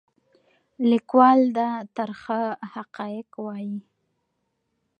لیکوال دا ترخه حقایق وایي.